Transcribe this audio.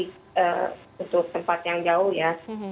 untuk tempat yang jauh ya